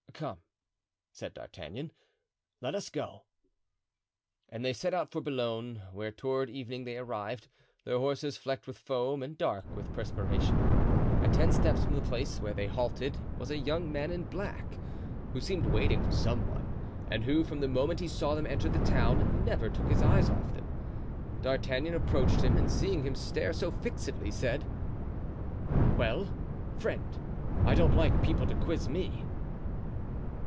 "Come," said D'Artagnan, "let us go." And they set out for Boulogne, where toward evening they arrived, their horses flecked with foam and dark with perspiration. At ten steps from the place where they halted was a young man in black, who seemed waiting for some one, and who, from the moment he saw them enter the town, never took his eyes off them. D'Artagnan approached him, and seeing him stare so fixedly, said: "Well, friend! I don't like people to quiz me!"